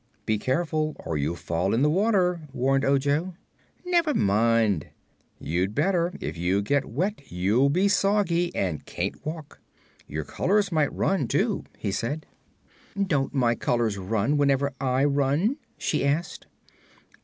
"Be careful, or you'll fall in the water," warned Ojo. "Never mind." "You'd better. If you get wet you'll be soggy and can't walk. Your colors might run, too," he said. "Don't my colors run whenever I run?" she asked.